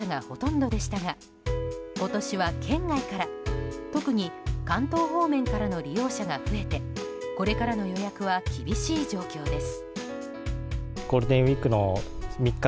去年のゴールデンウィークは県内からの利用客がほとんどでしたが今年は県外から特に関東方面からの利用者が増えてこれからの予約は厳しい状況です。